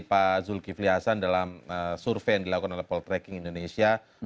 pertanyaan mana tadi